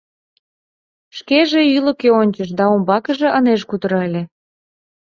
Шкеже ӱлыкӧ ончыш да умбакыже ынеж кутыро ыле.